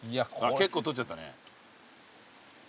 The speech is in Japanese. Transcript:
結構取っちゃったね。